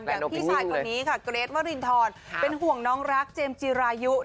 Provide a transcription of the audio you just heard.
อย่างพี่ชายคนนี้ค่ะเกรทวรินทรเป็นห่วงน้องรักเจมส์จีรายุ